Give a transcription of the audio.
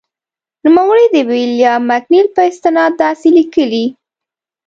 نوموړی د ویلیام مکنیل په استناد داسې لیکي.